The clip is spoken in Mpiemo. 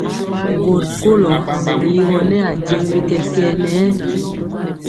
Gɔ rikolɔ ligɔ nɛ ajeŋg bi kɛkɛɛ nɛ.